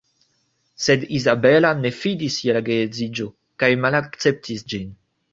Sed Izabela ne fidis je la geedziĝo kaj malakceptis ĝin.